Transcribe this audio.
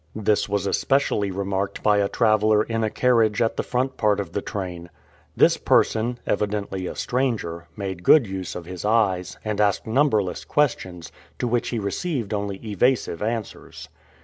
This was especially remarked by a traveler in a carriage at the front part of the train. This person evidently a stranger made good use of his eyes, and asked numberless questions, to which he received only evasive answers.